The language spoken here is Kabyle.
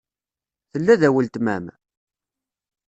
Tella da weltma-m?